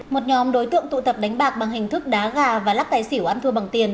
một nhóm đối tượng tụ tập đánh bạc bằng hình thức đá gà và lắc tài xỉu ăn thua bằng tiền